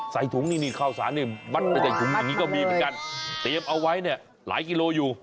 ใส่ถุงนี่ค้าวสารนี่บรรจัยถุงอะไรแบบนี้ก็มีเหมือนกันเตรียมเอาไว้หลายกิโลอยู่